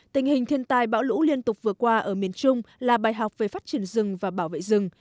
tình hình thiên tai bão lũ liên tục vừa qua ở miền trung là bài học về phát triển rừng và bảo vệ rừng